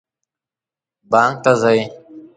بانک ته ځئ؟